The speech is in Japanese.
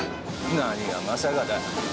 何がまさかだ。